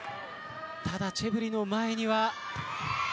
ただ、チェブリの前には。